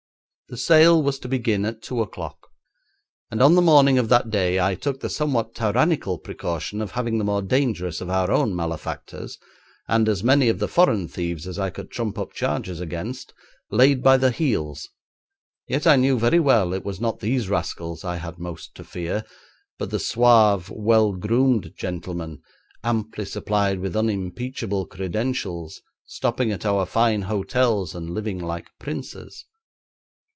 The sale was to begin at two o'clock, and on the morning of that day I took the somewhat tyrannical precaution of having the more dangerous of our own malefactors, and as many of the foreign thieves as I could trump up charges against, laid by the heels, yet I knew very well it was not these rascals I had most to fear, but the suave, well groomed gentlemen, amply supplied with unimpeachable credentials, stopping at our fine hotels and living like princes.